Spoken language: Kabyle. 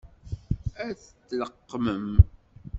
Ad t-tleqqmem?